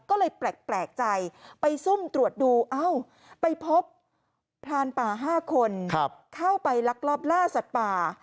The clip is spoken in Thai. ก็เลยแปลกใจไปซุ่มตรวจดูเอ้าไปพบพรานป่า๕คนเข้าไปลักลอบล่าสัตว์ป่า